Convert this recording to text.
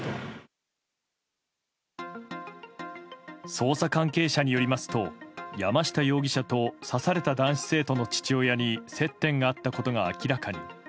捜査関係者によりますと山下容疑者と刺された男子生徒の父親に接点があったことが明らかに。